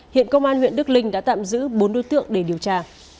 hiện công an huyện đức linh đã tạm giữ bốn đối tượng để điều tra